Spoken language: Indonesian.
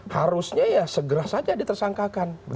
harusnya ya segera saja ditersangkakan